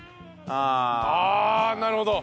ああなるほど！